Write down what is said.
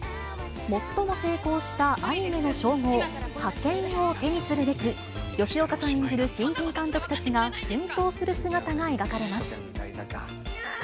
最も成功したアニメの称号、ハケンを手にするべく、吉岡さん演じる新人監督たちが奮闘する姿が描かれます。